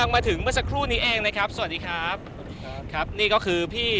โดนแข็งใจมากใช้ส่วนมันเลือก